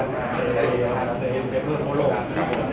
อ๋อไม่มีพิสิทธิ์